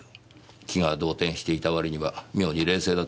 気が動転していたわりには妙に冷静だと思いませんか？